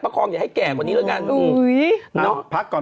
คองอย่าให้แก่กว่านี้แล้วกัน